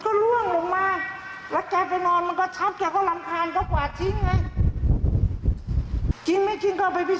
หรือจะมาพิสูจน์ที่นี่หลวงตาเป็นเจ้าภาพ